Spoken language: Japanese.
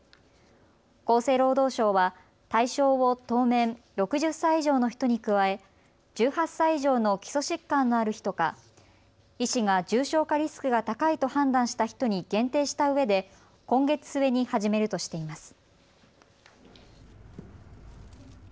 厚生労働省は対象を当面６０歳以上の人に加え１８歳以上の基礎疾患のある人か医師が重症化リスクが高いと判断した人に限定したうえで今月末に始めるとしています。